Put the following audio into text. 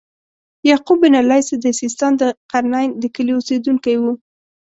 یعقوب بن اللیث د سیستان د قرنین د کلي اوسیدونکی و.